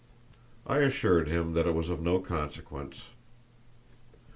I assured him that it was of no consequence.